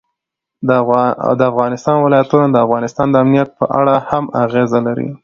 د افغانستان ولايتونه د افغانستان د امنیت په اړه هم اغېز لري.